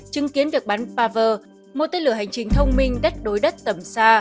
trưng kiến được bắn paver một tên lửa hành trình thông minh đất đối đất tầm xa